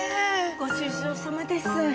ご愁傷さまです。